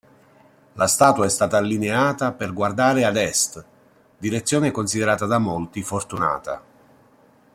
La statua è stata allineata per guardare ad Est, direzione considerata da molti fortunata.